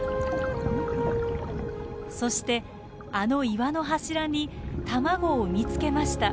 そしてあの岩の柱に卵を産みつけました。